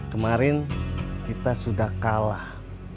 kemarin kita sudah kalah